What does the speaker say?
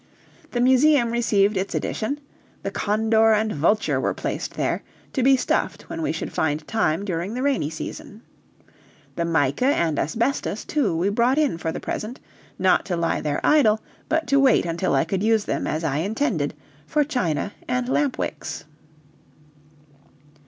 The museum received its addition: the condor and vulture were placed there, to be stuffed when we should find time during the rainy season. The mica and asbestos, too, were brought in for the present, not to lie there idle, but to wait until I could use them as I intended, for china and lampwicks.